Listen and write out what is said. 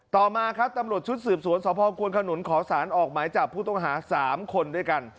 ต่อมาครับตำรวจชุดสืบสวนสพควนขนุนขอสารออกหมายจับผู้ต้องหา๓คนด้วยกัน